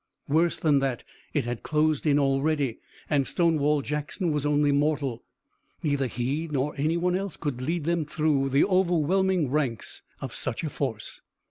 Worse than that, it had closed in already and Stonewall Jackson was only mortal. Neither he nor any one else could lead them through the overwhelming ranks of such a force.